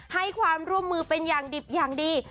ให้ความร่วมมือเป็นอย่างดิบอย่างดี